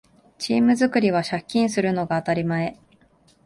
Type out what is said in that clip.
チーム作りは借金するのが当たり前